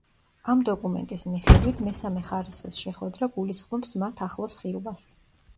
ამ დოკუმენტის მიხედვით, მესამე ხარისხის შეხვედრა გულისხმობს მათ ახლოს ხილვას.